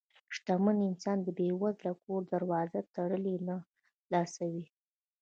شتمن انسان د بې وزله کور دروازه تړي نه، خلاصوي یې.